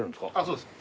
そうです。